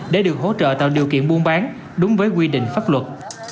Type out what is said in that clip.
để được hỗ trợ tạo điều kiện buôn bán đúng với quy định pháp luật